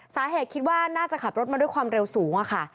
สาเหตุคิดว่าน่าจะขับรถมาด้วยความเร็วสูงค่ะ